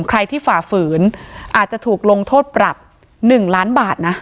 ใครที่ฝ่าฝืนอาจจะถูกลงโทษปรับ๑ล้านบาทนะ